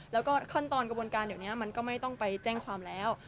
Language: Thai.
แล้วก็ขั้นตอนกระบวนการเดี๋ยวนี้มันก็ไม่ต้องไปแจ้งความแล้ว